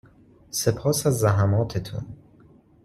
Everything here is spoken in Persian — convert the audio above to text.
سپاس از زحماتتون